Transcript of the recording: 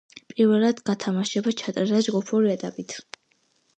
პირველად, გათამაშება ჩატარდა ჯგუფური ეტაპით.